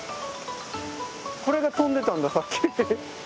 これが飛んでたんださっき。